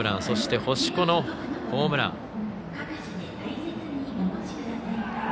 そして、星子のホームラン。